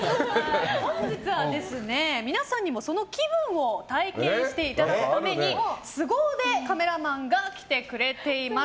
本日は皆さんにもその気分を体験していただくために凄腕カメラマンが来てくれています。